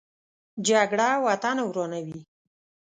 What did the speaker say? جګړه وطن ورانوي